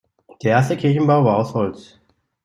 Der erste Kirchenbau war aus Holz.